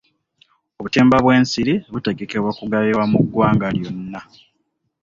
Obutimba bw'ensiri butegekebwa kugabibwa mu ggwanga lyonna.